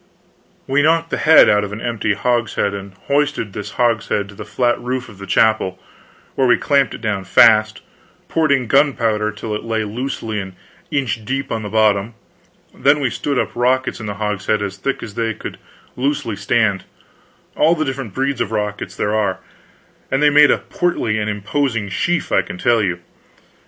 We knocked the head out of an empty hogshead and hoisted this hogshead to the flat roof of the chapel, where we clamped it down fast, poured in gunpowder till it lay loosely an inch deep on the bottom, then we stood up rockets in the hogshead as thick as they could loosely stand, all the different breeds of rockets there are; and they made a portly and imposing sheaf, I can tell you.